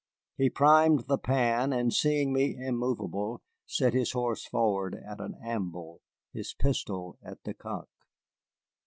He primed the pan, and, seeing me immovable, set his horse forward at an amble, his pistol at the cock.